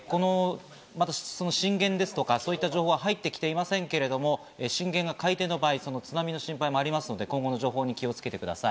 震源ですとか、そういった情報は入ってきていませんけれど、震源が海底の場合、津波の心配もありますので、今後の情報に気をつけてください。